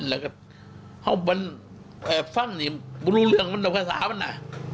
เว้าบันฟังนี่รู้เรื่องมันประสาทมันน่ะ